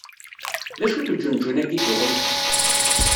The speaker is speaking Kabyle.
D acu-t uǧenǧun-agi i d-tuɣemt?